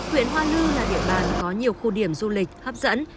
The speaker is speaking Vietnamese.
huyện hoa lư là địa bàn có nhiều khu điểm du lịch hấp dẫn